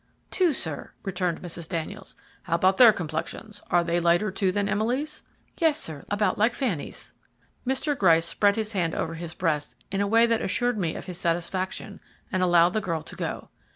"Two, sir;" returned Mrs. Daniels. "How about their complexions? Are they lighter too than Emily's?" "Yes, sir; about like Fanny's." Mr. Gryce spread his hand over his breast in a way that assured me of his satisfaction, and allowed the girl to go.